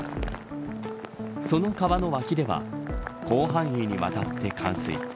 その川の脇では広範囲にわたって冠水。